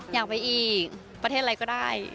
อยากไปอีกประเทศอะไรก็ได้